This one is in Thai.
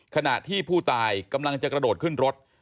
ขณะที่ผู้ตายกำลังจะกระโดดขึ้นรถ